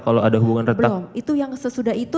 kalau ada hubungan retak itu yang sesudah itu